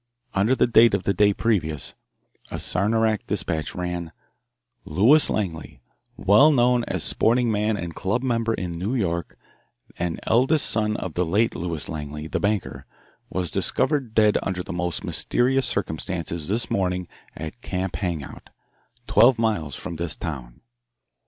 Under the date of the day previous, a Saranac despatch ran: Lewis Langley, well known as sporting man and club member in New York, and eldest son of the late Lewis Langley, the banker, was discovered dead under the most mysterious circumstances this morning at Camp Hangout, twelve miles from this town.